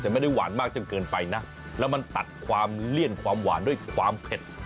แต่ไม่ได้หวานมากจนเกินไปนะแล้วมันตัดความเลี่ยนความหวานด้วยความเผ็ด